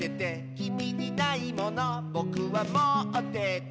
「きみにないものぼくはもってて」